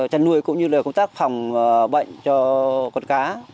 chăn nuôi cũng như là công tác phòng bệnh cho con cá